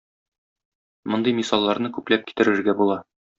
Мондый мисалларны күпләп китерергә була.